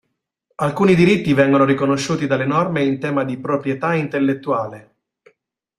Alcuni diritti vengono riconosciuti dalle norme in tema di proprietà intellettuale.